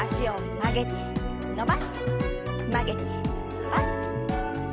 曲げて伸ばして。